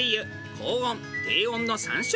高温低温の３種類。